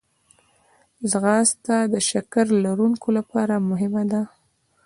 ځغاسته د شکر لرونکو لپاره مهمه ده